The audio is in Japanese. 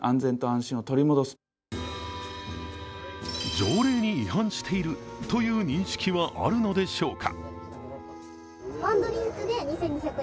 条令に違反しているという認識はあるのでしょうか。